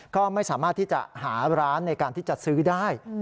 ก็ไม่สามารถที่จะหาร้านในการที่จะซื้อได้